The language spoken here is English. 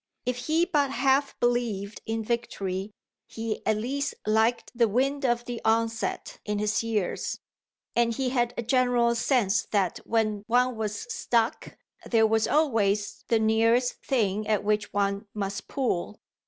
If he but half believed in victory he at least liked the wind of the onset in his ears, and he had a general sense that when one was "stuck" there was always the nearest thing at which one must pull.